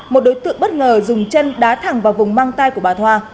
một đối tượng bất ngờ dùng chân đá thẳng vào vùng mang tay của bà thoa